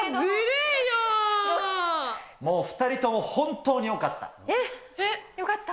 もう２人とも本当によかった。